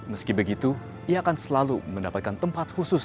meski begitu ia akan selalu mendapatkan tempat khusus